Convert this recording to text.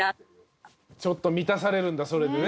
ちょっと満たされるんだそれでね。